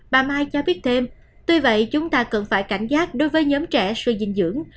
bà mai cho biết thêm tuy vậy chúng ta cần phải cảnh giác đối với nhóm trẻ suy dinh dưỡng